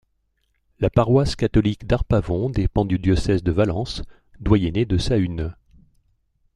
La paroisse catholique d'Arpavon dépend du diocèse de Valence, doyenné de Sahune.